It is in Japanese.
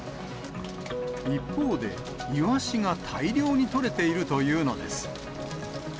一方で、イワシが大量に取れているというのです。